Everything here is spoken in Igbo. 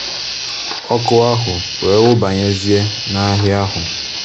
ọkụ ahụ wee nwubànyezie n'ahịa ahụ